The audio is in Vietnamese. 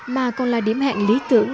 mà còn là điểm hẹn lý tưởng